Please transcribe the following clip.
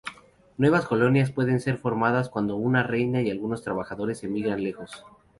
Nuevas colonias pueden ser formadas cuando una reina y algunos trabajadores emigran lejos.